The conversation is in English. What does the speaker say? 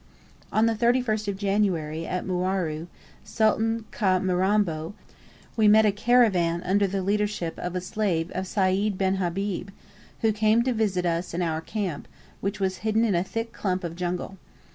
On the 31st of January, at Mwaru, Sultan Ka mirambo, we met a caravan under the leadership of a slave of Sayd bin Habib, who came to visit us in our camp, which was hidden in a thick clump of jungle.